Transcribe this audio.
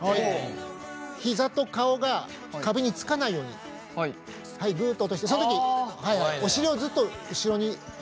ひざと顔が壁につかないようにグっと落としてその時お尻をずっと後ろに。